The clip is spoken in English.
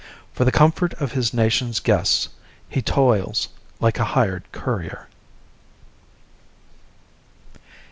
For the comfort of his nation's guests, he toils like a hired courier.